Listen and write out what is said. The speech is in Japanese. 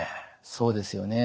そうですよね。